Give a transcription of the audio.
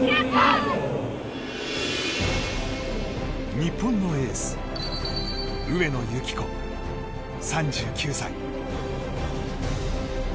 日本のエース上野由岐子、３９歳。